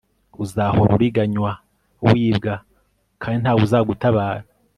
uzahora uriganywa, wibwa kandi nta wuzagutabara